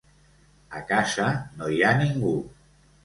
A casa no hi ha ningú.